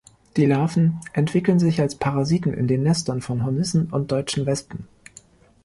Die Larven entwickeln sich als Parasiten in den Nestern von Hornissen und Deutschen Wespen.